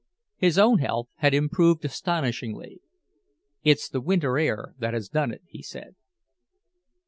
His own health had improved astonishingly. "It's the winter air that has done it," he said.